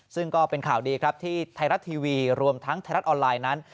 ซึ่งก็เป็นข่าวดีครับที่ไทยรัฐทีวีรวมทั้งไทยรัฐออนไลน์นั้น